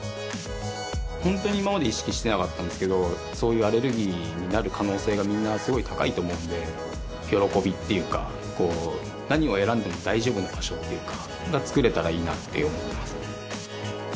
ホントに今まで意識してなかったんですけどそういうアレルギーになる可能性がみんなすごい高いと思うんで喜びっていうか何を選んでも大丈夫な場所っていうかが作れたらいいなって思います